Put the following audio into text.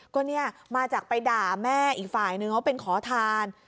ก็เนี่ยมาจากไปด่าแม่อีกฝ่ายนึงว่าเป็นขอทาน